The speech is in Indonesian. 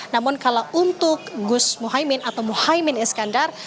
namun kalau untuk gus muhaymin atau muhaymin iskandar